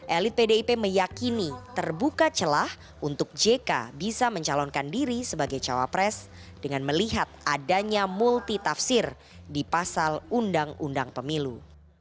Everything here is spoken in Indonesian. elit pdip meyakini terbuka celah untuk jk bisa mencalonkan diri sebagai cawapres dengan melihat adanya multitafsir di pasal undang undang pemilu